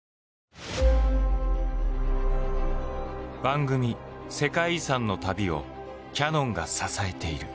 番組「世界遺産」の旅をキヤノンが支えている。